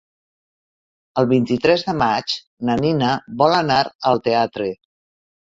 El vint-i-tres de maig na Nina vol anar al teatre.